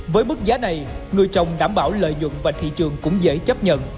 với mức giá này người trồng đảm bảo lợi dụng và thị trường cũng dễ chấp nhận